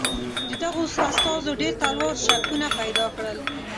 د دغو استازو ډېر تلوار شکونه پیدا کړل.